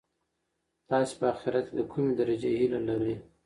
تاسي په اخیرت کي د کومې درجې هیله لرئ؟